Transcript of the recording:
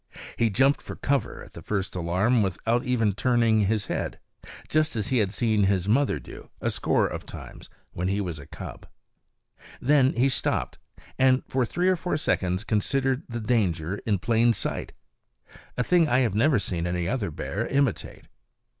He jumped for cover at the first alarm without even turning his head, just as he had seen his mother do, a score of times, when he was a cub. Then he stopped, and for three or four seconds considered the danger in plain sight a thing I have never seen any other bear imitate.